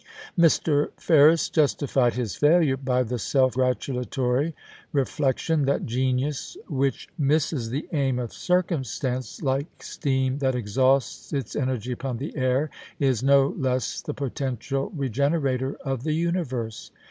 Mr. Ferris justified his failure by the self gratulatory reflection that genius which misses the aim of circumstance, like steam that exhausts its energy upon the air, is no less the potential regenerator of the universe.